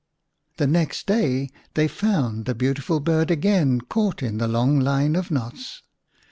The next day they found the beautiful bird again caught in the long line of knots.